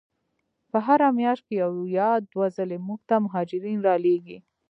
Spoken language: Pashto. په هره میاشت کې یو یا دوه ځلې موږ ته مهاجرین را لیږي.